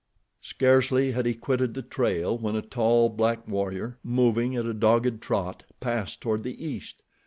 Scarcely had he quitted the trail when a tall, black warrior, moving at a dogged trot, passed toward the east.